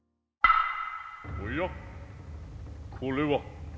おやこれは。